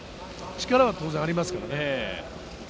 力はありますからね。